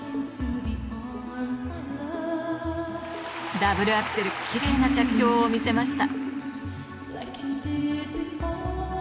ダブルアクセルキレイな着氷を見せました